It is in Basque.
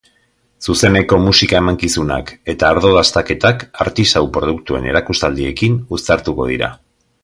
Zuzeneko musika emankizunak eta ardo dastaketak artisau produktuen erakustaldiekin uztartuko dira.